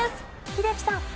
英樹さん。